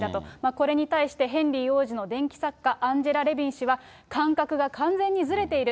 これに対してヘンリー王子の伝記作家、アンジェラ・レビン氏は、感覚が完全にずれている。